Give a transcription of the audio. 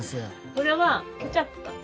これはケチャップ。